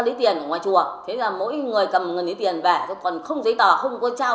lấy tiền ở ngoài chùa thế là mỗi người cầm người lấy tiền về chứ còn không giấy tờ không có trao